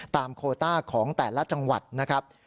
โคต้าของแต่ละจังหวัดนะครับ